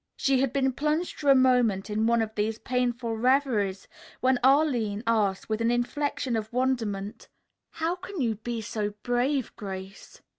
She had been plunged for a moment in one of these painful reveries when Arline asked with an inflection of wonderment, "How can you be so brave, Grace?"